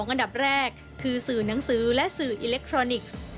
อันดับแรกคือสื่อหนังสือและสื่ออิเล็กทรอนิกส์